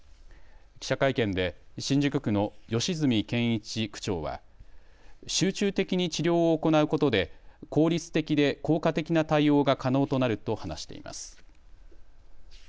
記者会見で新宿区の吉住健一区長は集中的に治療を行うことで効率的で効果的な対応が可能となると話しています。